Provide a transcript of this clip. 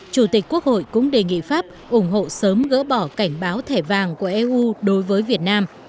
chủ tịch quốc hội cũng đề nghị pháp ủng hộ sớm gỡ bỏ cảnh báo thẻ vàng của eu đối với việt nam